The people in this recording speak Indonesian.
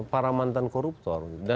para mantan koruptor